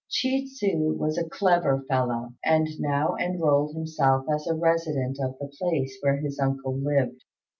Chi tsu was a clever fellow, and now enrolled himself as a resident of the place where his uncle lived.